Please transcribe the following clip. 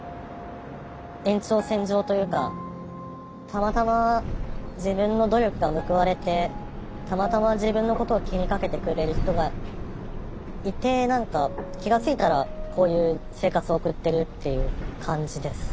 たまたま自分の努力が報われてたまたま自分のことを気にかけてくれる人がいて何か気が付いたらこういう生活を送ってるっていう感じです。